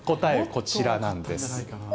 こちらなんです。